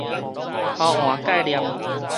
偷換概念